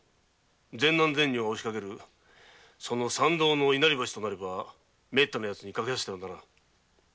善男善女が押しかけるその参道の稲荷橋ともなればめったなヤツに架けさせてはならん。